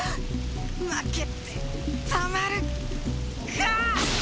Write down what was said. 負けてたまるか！